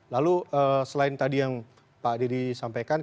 lalu selain tadi yang pak dedy sampaikan